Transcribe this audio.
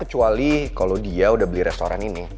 kecuali kalau dia udah beli restoran ini